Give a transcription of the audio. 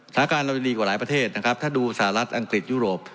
การเราจะดีกว่าหลายประเทศนะครับถ้าดูสหรัฐอังกฤษยุโรป